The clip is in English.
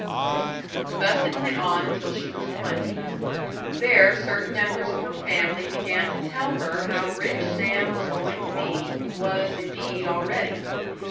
Thus it went on until she was twenty. There certain members of her family began to tell her how rich Sam was going to be was, indeed, already.